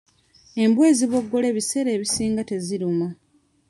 Embwa eziboggola ebiseera ebisinga ziba teziruma.